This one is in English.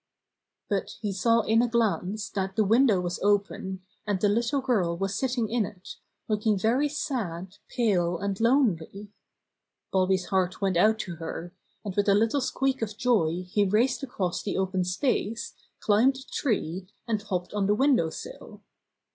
But he saw in a glance that the window was open, and the little girl was sitting in it, look ing very sad, pale and lonely. Bobby's heart went out to her, and with a little squeak of jojr 126 Bobby Gray Squirrel's Adventures he raced across the open space, climbed the tree, and hopped on the window sill.